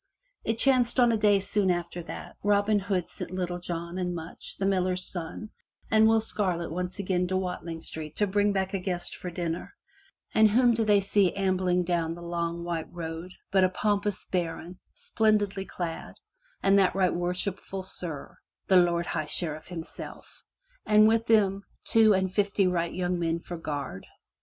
It chanced on a day soon after that Robin sent Little John and Much, the Miller's son, and Will Scarlet once again to Wat ling Street to bring back a guest for dinner, and whom do they see come ambling down the long white road but a pompous baron, splendidly clad, and that right worshipful Sir, The Lord High Sheriff himself, and with them two and fifty wight young men for guard.